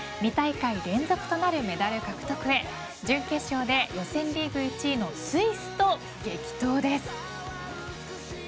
２大会連続となるメダル獲得へ準決勝で予選リーグ１位のスイスと激闘です。